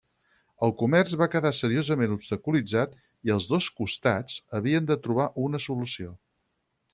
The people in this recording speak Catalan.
El comerç va quedar seriosament obstaculitzat i els dos costats havien de trobar una solució.